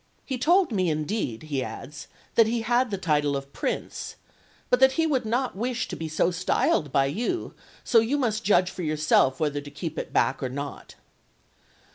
"He told me, indeed," he adds, "that he had the title of Prince, but that he would not wish to be so styled by you, so you must judge for yourself whether to keep it back or not."